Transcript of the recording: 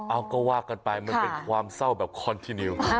เอาก็ว่ากันไปมันเป็นความเศร้าแบบคอนทีนิว